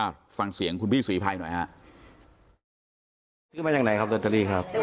ฟังเสียงคุณพี่ศรีภัยหน่อยฮะซื้อมาจากไหนครับลอตเตอรี่ครับ